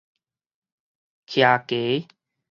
徛格